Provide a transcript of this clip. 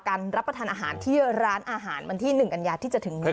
รับประทานอาหารที่ร้านอาหารวันที่๑กันยาที่จะถึงนี้